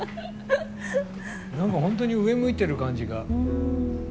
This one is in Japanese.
本当に上向いてる感じが。